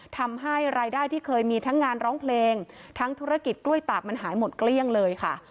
ทำให้รายได้ที่เคยมีทั้งงานร้องเพลงทั้งธุรกิจกล้วยตากมันหายหมดเกลี้ยงเลยค่ะ